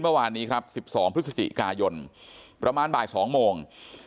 เมื่อวานนี้ครับ๑๒พฤศจิกายนประมาณบ่าย๒โมง